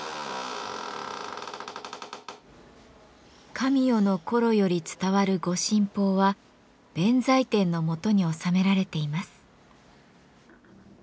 神代の頃より伝わる御神宝は弁財天の元に納められています。